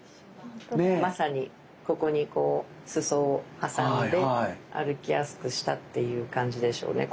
まさにここにこう裾を挟んで歩きやすくしたっていう感じでしょうね。